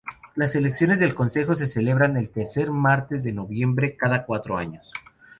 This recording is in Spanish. Las elecciones del consejo se celebran el tercer martes de noviembre cada cuatro años.